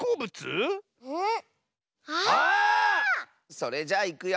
それじゃいくよ。